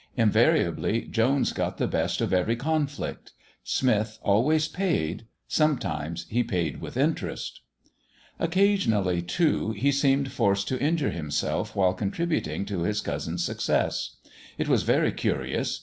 Invariably Jones got the best of every conflict. Smith always paid; sometimes he paid with interest. Occasionally, too, he seemed forced to injure himself while contributing to his cousin's success. It was very curious.